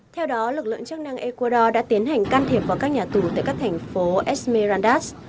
theo đó lực lượng chức năng ecuador đã tiến hành can thiệp vào các nhà tù tại các thành phố esmerrandas